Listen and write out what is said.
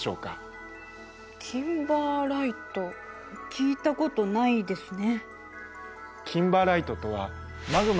聞いたことないですね。